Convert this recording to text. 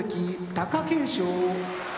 ・貴景勝